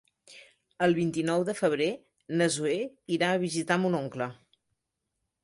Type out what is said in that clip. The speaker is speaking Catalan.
El vint-i-nou de febrer na Zoè irà a visitar mon oncle.